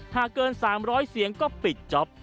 หากเกิน๓๐๐เสียงก็ปิดจ๊อป